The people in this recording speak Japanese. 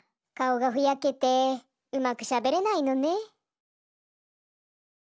かおがふやけてうまくしゃべれないのね。